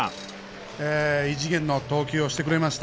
異次元の投球をしてくれました